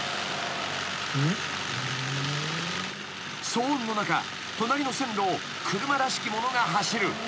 ［騒音の中隣の線路を車らしきものが走る］